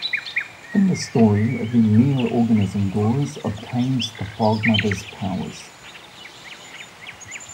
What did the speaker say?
In the story, the Neo Organism Doras obtains the Fog Mother's powers.